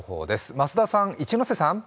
増田さん、一ノ瀬さん。